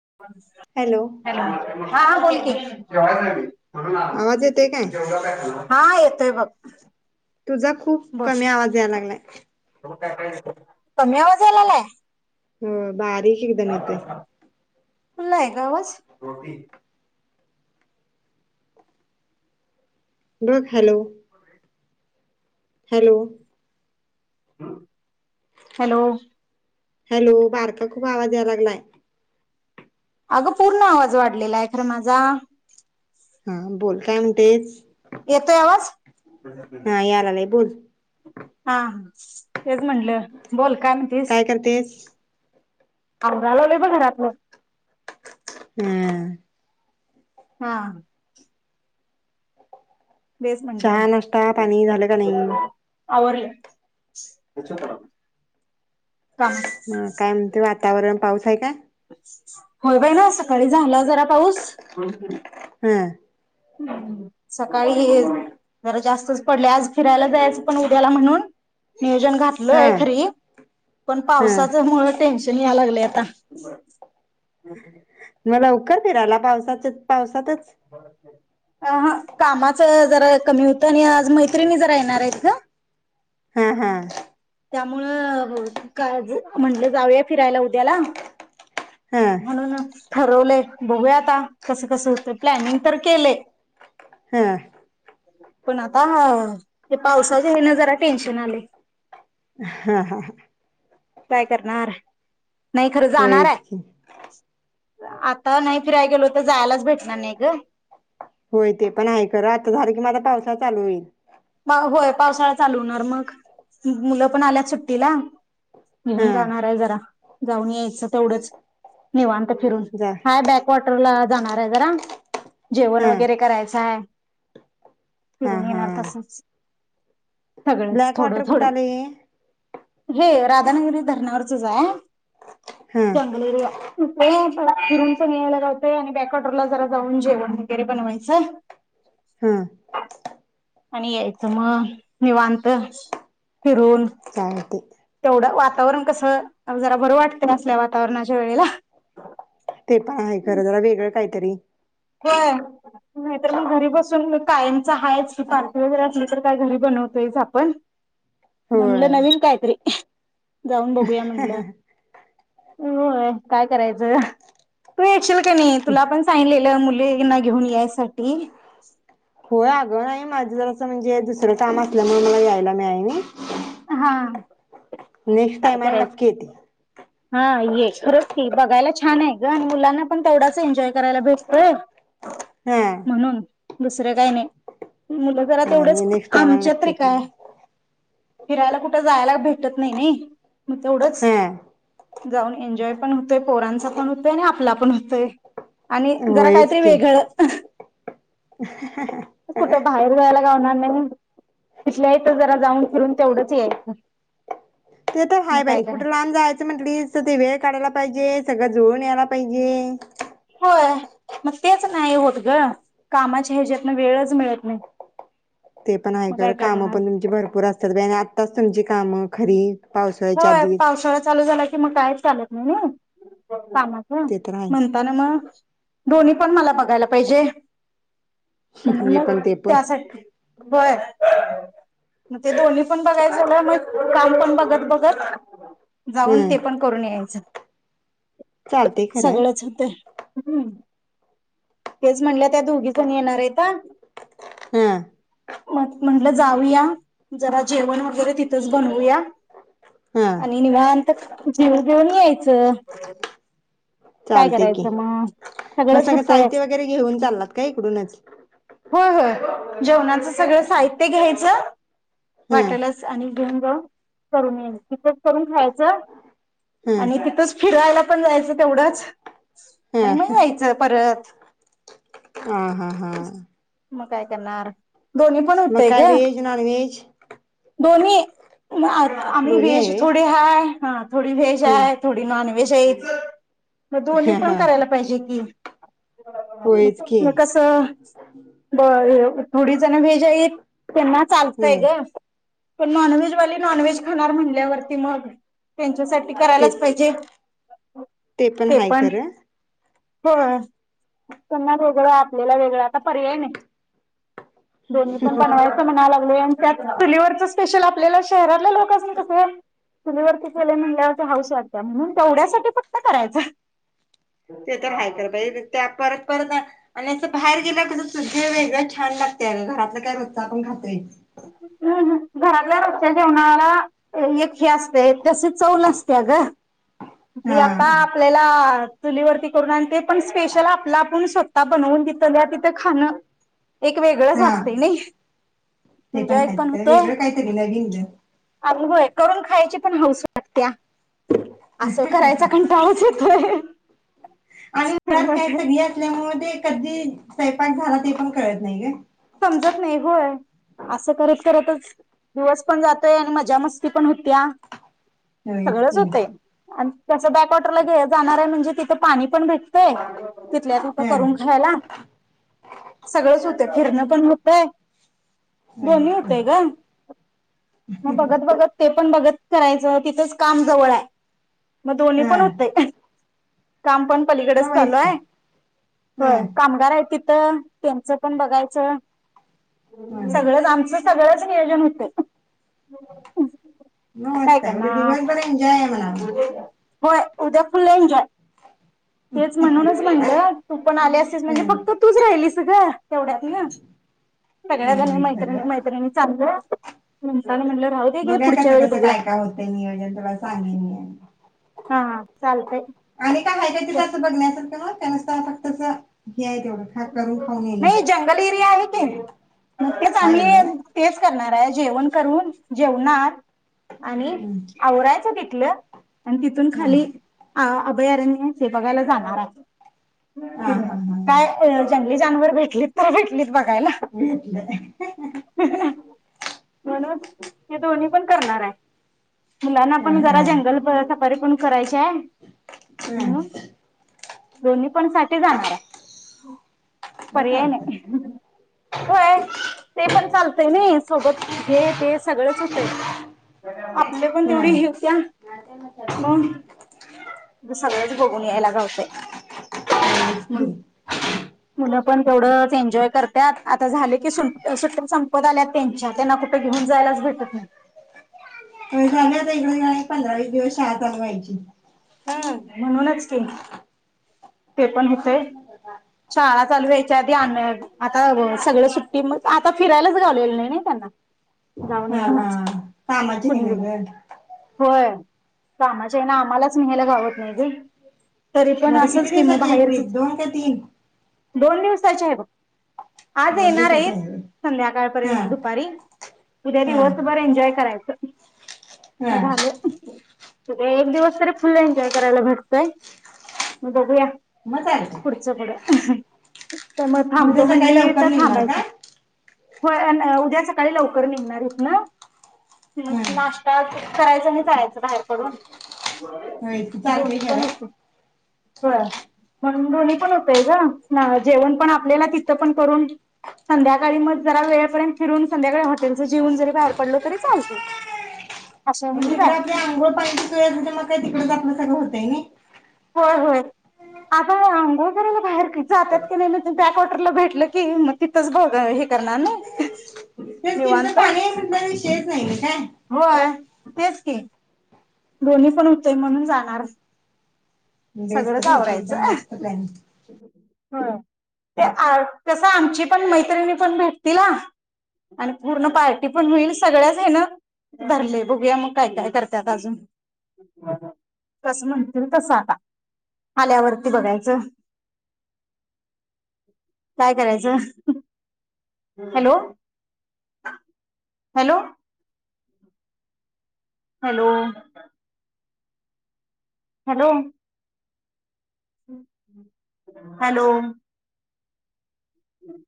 [inaudible] Hello - - हा हा बोल की आवाज येतोय काय [unintelligible] [unintelligible] हा येतोय बघ. तुझा खूप बोल कमी आवाज याय लागलाय. [inaudible] कमी आवाज याय लागलाय. हो बारीक एकदम येतोय. फूल्ल आहे ग आवाज. [inaudible] हॅलो हॅलो [inaudible] हॅलो हॅलो बारका खुप आवाज याय लागलाय. आगं पूर्ण आवाज वाढलेला आहे खरं माझा. हा बोल काय म्हणतेस. येतोय आवाज हा यायला लागलाय बोल [inaudible] हां हां [inaudible] तेच म्हटलं बोल काय म्हणतीस. आवरलागलोय बघ घरातलं. हम्म हा तेच चहा, म्हटलं नाश्ता, पाणी झालं का नाही? आवरलं. म काय म्हणतय वातावरण पाऊस आहे का? होय बाई ना सकाळी झाला जरा पाऊस. हं सकाळी जरा जास्तच पडले आज फिरायला जायचं पण उद्याला म्हणून.... नियोजन हा घातलोय खरी पण हा पावसाच मुळ टेन्शन या लागलय. [inaudible] [inaudible] [unintelligible] कामाच जरा कमी होत आणि आज मैत्रिणी जरा येणार आहेत ग. हा हा त्यामुळं का म्हटलं जाऊया फिरायला उद्याला हा म्हणुनच ठरवलय बघूया आता कसं कसं होत प्लॅनिंग तर केले ह पण आता ह ते पावसाचे ह्याने जरा टेन्शन आलय हा हा काय करणार नाही खरं जाणार होयच की आहे आता नाही फिरायला गेलो तर जायलाच भेटणार नाही ग होय ते पण आहे खरं आता झालं की माझ पावसा चालू होईल. होय पावसाळा चालू होणार मग मुलं पण आल्यात सुट्टीला हा घेऊन जाणार आहे जरा जाऊन यायचं तेवढंच निेवांत फिरून जा हाय बॅकवॉटरला जाणार आहे जरा जेवण हा वगैरे करायचं आहे. हा फिरुन हा येणार तसंच सगळंच ब्लॅक थोडं वॉटर कुठ थोडं आल हे हे राधानगरी धरणावरचच आहे. हा जंगल एरिया फिरूनपण यायला होत आणि बॅक वॉटरला जरा जाऊन जेवण वगैरे बनवायचं हा आणि यायचं म निवांत फिरून चालते तेवढं वातावरण कसं जरा बरं वाटते असल्या वातावरणाच्या वेळेला ते पण आहे, खरं जरा वेगळं काही तरी होय नाही, तर मग घरी बसून कायमच हाय की पार्टी वगैरे असली, तर काय घरी बनवतोयच आपण होय म्हंनल नवीन काय [inaudible] जाऊन बघूया म्हनलं होय काय करायचंतु तु येशील तुला पण सांगितले आपल्या मुलीना घेऊन यायसाठी होय आग नाही माझ जरास म्हणजे दुसरं काम असल्यामुळे मला यायला मियाय नही. हा नेक्स्ट काय टाईमाला करायचं? नक्की येते. हा ये खरंच की बघायला, छान आहे ग आणि मुलांना पण तेवढाच एन्जॉय करायला भेटतोय. हम दुसरे काही नाही मुलं जरा तेवढेच आणि नेक्स्ट टाइमाला आमच्यात नक्की रे येते काय फिरायला कुठे जायाला भेटत नाही, नाही मग तेवढंच हा जाऊन एन्जॉय पण होतोय, पोरांचा पण होतोय आणि आपला पण होतोय. आणि जरा होयच काहीतरी की वेगळं कुठ बाहेर जायला गावणार नाही, म्हणून तिथल्या येत जरा जाऊन फिरून तेवढंच ये. ते तर हाय बाई कुठे लांब जायचं, म्हटलीस तर ते वेळ काढाला पाहिजे सगळं जूळून यायला पाहिजे. होय मग तेच नाही, होत ग कामाच्या ह्याच्यातन वेळच मिळत नाही. ते पण आहे मग काय कर काम करणार. पण तुमची भरपूर असत्यात आणि आत्ताच तुमची कामं खरी पावसाळ्याच्या होय आधीच पावसाळा चालू झाला. मग कायच चालत नाही ने. कामाचं ते तर आहे म्हणताना म. दोनी पण मला बघायला पाहिजे. हे म्हनुनच पण ते पण त्यासाठी व्हय. मग ते दोन्ही पण बघायचं मग काम पण बघत बघत. हो जाऊन हं ते पण करून यायचं. चालतंय खरं सगळंच होते हम्म तेच म्हणलं त्या दोघी जण येणार आहे का हम्म म म्हटलं जाऊया जरा जेवण वगैरे तिथंच बनवूया हं आणि निवांत जीव घेऊन यायचं काय चालते की करायचं मग मग सगळंच सगळं होतंय साहित्य वगैरे घेऊन चाललात का इकडूनच होय जेवणाचं सगळं साहित्य घ्यायचं हं वाटालाच आणि जंग करून येईल तथच करून खायचं हं आणि तिथंच फिरायला पण जायचं तेवढंच आणि मग हं यायचं परत हा हा मग काय करणार दोन्ही पण होतंय मका ग वेज नॉन वेज दोन्ही म्ही दोन्ही बे आहे थोडे हाय हा थोडी व भेज व्हय आहे हं थोडी नॉन अष मग दोन्ही हा पण हा करायला पाहिजे कि होयच की कस बर थोडी जण वेज आहेत त्यांना चालतंय हं ग पण नॉनव्हेजवाली नॉन व्ज खाणार म्हणल्यावर त्यां ते करायलाच पाहिजे ते पण हो त्यांना वेगळं आपल्याला वेगळं आता पर्याय नाही दो पण बनवायचं म्हणाय लाग त्यात चुलीवरच स्पेशल आपल्याला शहरातले लोक असतील तस चुलीवरती केले म्हणल्या हाऊस वाईफ त्या म्हणून तेवढ्यासाठी फक्त करायचं ते तर हाय कर पाहिजे त्या परत परत आणि असं बाहेर गेला क सु वेगळं छान लागते घरातलं काय रोजच आपण घातोय हम्म घरातल्या रोजच्या जेवणाला एक हे असते जसे चवल असते ग जी हा आता आपल्याला चुलीवरती करून आणललेय. पन स्पेशल आपल आपन सोता बनवून तिथं दया तिथं खान.. एक वेगळंच हा असतंय नाही. ते पण एन्जॉय खायचं होतोय वेगळं काहीतरी नवीन जग. होय करून खायची पण हौऊस वाटतया. येतोय आणि मुळात काय मग सगळी असल्यामुळे ते कधी? स्वयंपाक झाला ते पन कळत नाहीये? समजत नाही होय असं करत करतच दिवस पण जातोय आणि मजा मस्ती पण होतं त्या. होयच सगळंच की होतय. अन त्याचं बॅकवॉटरला घेतं जाणार हाय म्हंजे? तिथं पानी पन [unintelligible] तो. तिथल्या तिथं हा करून खायाला. सगळंच होतय. फिरणं.. [unintelligible] दोन्ही होयच की होतय ग! म बघत बघत ते.. पन बघत करायच. तिथंच काम जवळ हाय. म दोन्ही पन हा होतय. काय? काम पण पलीकडेच मग चालू होयच काय हाय. हो, हा कामगार हायेत ती तं त्यांचं पन बगायचं. हा सगळंच आमचं सगळंच नियोजन होतय. म काय मस्त हाय. म्हणजे करणार दिवाळीत पन एन्जॉय हाय म्हणावं. होय. उद्या फुल एन्जॉय. तेच म्हणूनच म्हणलं, तू पण आली असतीस म्हणजे, फक्त तूच राहिलीस. [unintelligible] तेवढ्यात ना! सगळ्या जणी होय मैत्रिणी खरं मैत्रिणी चालल्या रिकामा ऑडिओ बघूया कस कस काय काय होत नियोजन? तुला सांगन मी. हा चालतंय आणि काय हाय तिथं असं बगन्यासन? तवाच त्यांना सांग फक्त चा नाही जंगल एरिया आहे कीं. हाय होय [unintelligible] तेच करनार. नाय जेवण करून, जेवणार.. आणि हम्म. आवरायचं तिथलं. आणि तिथून हा. खाली आ अभयारण हे बघायला जाणार आहे. आ हा हं हं अ जंगली जनावर भेट भेटले तर भेटले बघायला भेटलं म्हणून ते दोन्ही पण करणार आहे. मुलांना हा पण जरा हा जंगल प सफारी पण करायची हाय हा दोन्ही पण साठी जाणारां [inaudible] मग पर्याय चालतंय. नाही होय ते पण चालतंय नय सोबत हे ते सगळच होतंय आपले पण हा तेवढी ही होत्या मग सगळंच बघून यायला गावतय तेच की. हूं म पण तेवढच एन्जॉय करत्यात आता झाले की सुट्ट सुट्टी संपत आल्या त्यांच्या त्यांना कुठ घेऊन जायलाच भेटत नाय. तरी सांगतात इकडे या पंधरा वीस दिवस शाळा चालू व्हायची हं म्हणूनच की, ते पण होतय शाळा चालू व्हायच्या आधी आण आता सगळ सुट्टी म आता फिरायलाच गावलेली नाय ना त्यांना जाऊन हा यायला हा मज्जा हाय नं ग होय कामाच्या ह्यांन ना आम्हालाच न्ह्यायला गावत नाय ग तरी मग पण आता असंच किती की मग दिवसाची हाय बाहेरच ट्रिप दोन का तीन साची हाय बघ आज दोन येणार दिवसाची आहेत आहे होय. हा संध्याकाळपर्यंत दुपारी उद्या हा दिवस बर एन्जॉय करायचं हा म झालं एक दिवस तरी फुल एन्जॉय करायला भेटतंय. म बघूया मग चालतंय पुढचपुढ त म मग थांबतो उद्या सकाळी म्हणली लवकर तर निघणार का थांबायचं व्हय उद्या सकाळी लवकर निघणार इतना म हा नाश्ता करायच आणि जायाचं बाहेर पडून व्हय तू चाल घे दोन्ही पण जरा होते [unintelligible] म्हणून दोन्ही पण होतय ग म जेवण पण आपल्याला तिथं पण करून संध्याकाळी मग जरा वेळपर्यंत फिरून संध्याकाळी हॉटेलच जेवण जरी बाहेर पडलो तरी चालत तिकड आपल्या अंघोळ पाणीची सोय मग का तिकडच आपलं सगंळ होत तय नय होय होय आता अंघोळ करायला बाहेर की जातात की नाही मी त त्या कॉटरला भेटल की मग तिथंच ब हे करणार नाय तेच की तिथं निवांत पाणी आहे म्हटलं विषयच नाहीय काय होय तेच की दोन्ही पण होतेय म्हणून जाणार बेस सगळंच तरथे एकदम मस्त प्लॅनिंग हो ते कसं आमची पण मैत्रिणी पण भेटतील ह आणि पूर्ण पार्टी पण होईल सगळ्याच आहे ना धरले बघूया मग काय काय करतत अजून कस म्हणतील तसं आता आल्यावरती बघायचं काय करायचं hello hello hello hello hello हम्